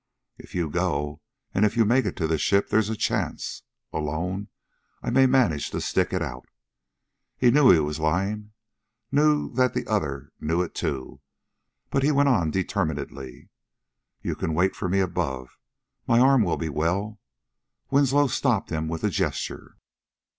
"If you go and if you make it to the ship there's a chance. Alone, I may manage to stick it out." He knew he was lying, knew that the other knew it too, but he went on determinedly. "You can wait for me up above. My arm will be well " Winslow stopped him with a gesture.